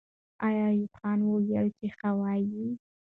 آیا ایوب خان وویل چې ښه وایي؟